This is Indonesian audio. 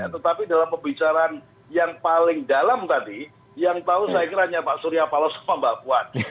tetapi dalam pembicaraan yang paling dalam tadi yang tahu saya kira hanya pak surya paloh sama mbak puan